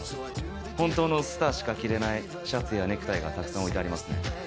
本当のスターしか着れないシャツやネクタイがたくさん置いてありますね。